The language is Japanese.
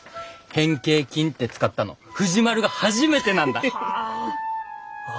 「変形菌」って使ったの藤丸が初めてなんだ！はあ！